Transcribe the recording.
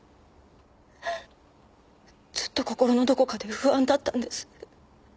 ずっと心のどこかで不安だったんです。